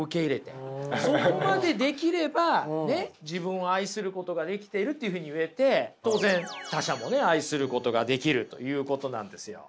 そこまでできればねっ自分を愛することができているっていうふうに言えて当然他者もね愛することができるということなんですよ。